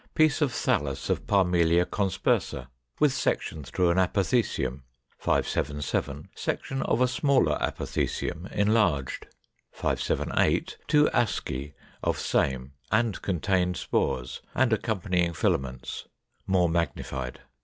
Piece of thallus of Parmelia conspersa, with section through an apothecium. 577. Section of a smaller apothecium, enlarged. 578. Two asci of same, and contained spores, and accompanying filaments; more magnified.